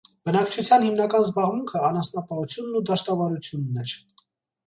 Բնակչության հիմնական զբաղմունքը անսանապահությունն ու դաշտավարությունն էր։